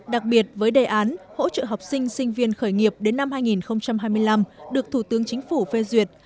đặc biệt với đề án hỗ trợ học sinh sinh viên khởi nghiệp đến năm hai nghìn hai mươi năm được thủ tướng chính phủ phê duyệt